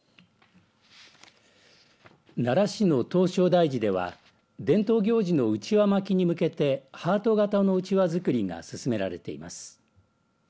奈良市の唐招提寺では伝統行事のうちわまきに向けてハート形のうちわ作りが進められています。